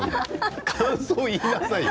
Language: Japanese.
感想を言いなさいよ。